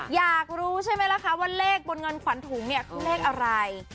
อยากรู้ใช่ไหมล่ะคะว่าเลขบนเงินขวัญถุงเนี่ยคือเลขอะไร